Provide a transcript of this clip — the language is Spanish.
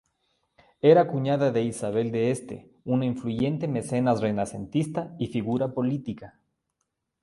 Era cuñada de Isabel de Este, una influyente mecenas renacentista y figura política.